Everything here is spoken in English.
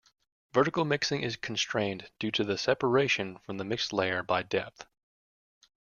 Vertical mixing is constrained due to the separation from the mixed layer by depth.